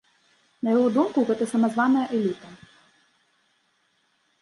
На яго думку, гэта самазваная эліта.